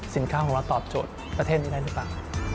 สินค้าของเราตอบโจทย์ประเทศนี้ได้หรือเปล่า